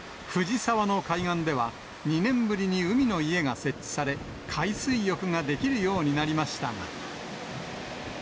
藤沢の海岸では、２年ぶりに海の家が設置され、海水浴ができるようになりましたが。